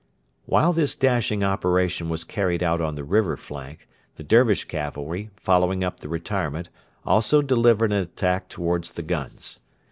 While this dashing operation was carried out on the river flank the Dervish cavalry, following up the retirement, also delivered an attack towards the guns.